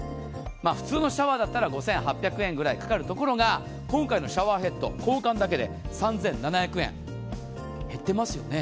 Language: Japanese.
普通のシャワーだったら５８００円ぐらいかかるところが今回のシャワーヘッド交換だけで３７００円減ってますよね。